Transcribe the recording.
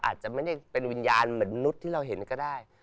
อาจจะไม่ได้เป็นวิญญาณเหมือนนุษย์ที่เราเห็นก็ได้